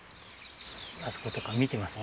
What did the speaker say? あそことか見てますね。